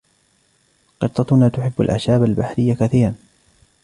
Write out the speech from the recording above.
قطتنا تحب الأعشاب البحرية كثيرًا.